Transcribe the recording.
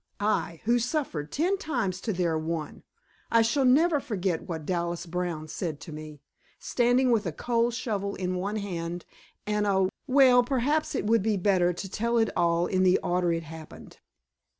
I, who suffered ten times to their one! I shall never forget what Dallas Brown said to me, standing with a coal shovel in one hand and a well, perhaps it would be better to tell it all in the order it happened.